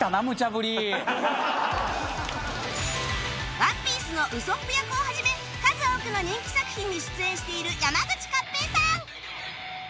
『ＯＮＥＰＩＥＣＥ』のウソップ役をはじめ数多くの人気作品に出演している山口勝平さん